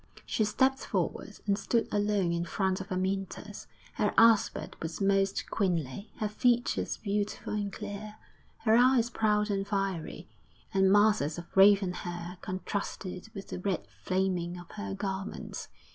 She stepped forward and stood alone in front of Amyntas; her aspect was most queenly, her features beautiful and clear, her eyes proud and fiery; and masses of raven hair contrasted with the red flaming of her garments.